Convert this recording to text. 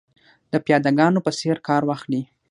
د پیاده ګانو په څېر کار واخلي.